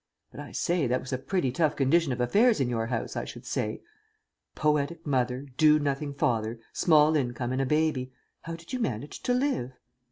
But, I say, that was a pretty tough condition of affairs in your house I should say. Poetic mother, do nothing father, small income and a baby. How did you manage to live?"